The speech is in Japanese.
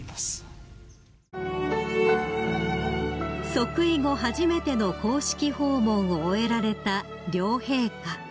［即位後初めての公式訪問を終えられた両陛下］